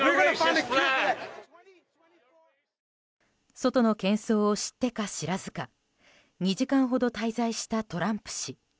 外の喧騒を知ってか知らずか２時間ほど滞在したトランプ氏。